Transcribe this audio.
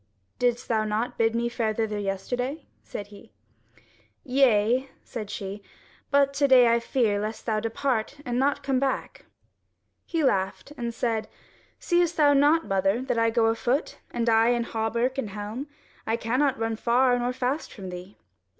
"Didst thou not bid me fare thither yesterday?" said he. "Yea," she said; "but to day I fear lest thou depart and come not back." He laughed and said: "Seest thou not, mother, that I go afoot, and I in hauberk and helm? I cannot run far or fast from thee.